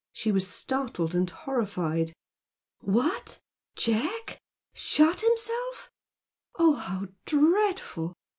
She was startled and horrified. "What!... Jack?... Shot himself?... Oh, how dreadful!